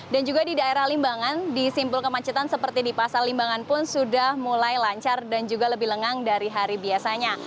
dan juga di daerah limbangan di simbol kemacetan seperti di pasal limbangan pun sudah mulai lancar dan juga lebih lengang dari hari biasanya